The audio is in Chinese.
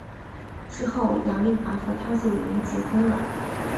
之后杨棣华和汤秀云结婚了。